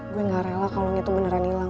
gue gak rela kalung itu beneran hilang